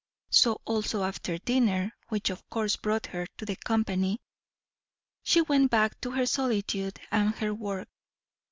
So also after dinner, which of course brought her to the company, she went back to her solitude and her work.